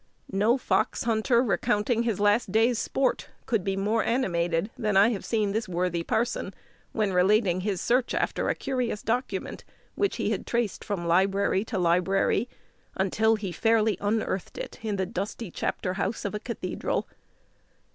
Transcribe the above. No fox hunter, recounting his last day's sport, could be more animated than I have seen the worthy parson, when relating his search after a curious document, which he had traced from library to library, until he fairly unearthed it in the dusty chapter house of a cathedral.